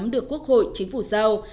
được quốc hội chính phủ giao